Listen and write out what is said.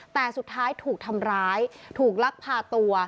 แต่สุดท้ายถูกทำร้ายถูกลักพาตัว